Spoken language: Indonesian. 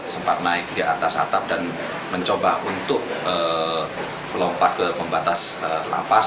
sempat naik di atas atap dan mencoba untuk melompat ke pembatas lapas